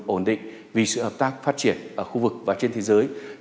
ổn định vì sự hợp tác phát triển ở khu vực và trên thế giới